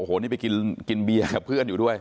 โอ้โหนี่ไปกินเบียร์กับเพื่อนอยู่ด้วย